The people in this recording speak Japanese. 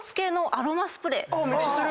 めっちゃする。